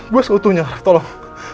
gua seutuhnya raf tolong